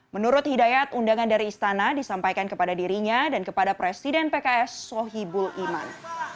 menurut hidayat undangan dari istana disampaikan kepada dirinya dan kepada presiden pks sohibul iman